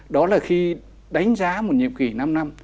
đó là khi đánh giá một nhiệm kỳ năm năm